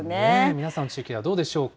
皆さんの地域はどうでしょうか。